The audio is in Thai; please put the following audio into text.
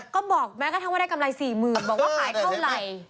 ก็บอกแม้กระทั่งว่าได้กำไร๔๐๐๐บอกว่าขายเท่าไหร่